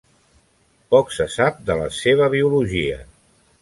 Poc se sap de la seva biologia.